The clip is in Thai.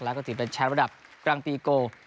แล้วก็ถือเป็นแชมป์ระดับกลางปีโก